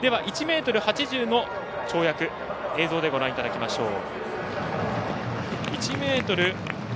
１ｍ８０の跳躍を映像でご覧いただきましょう。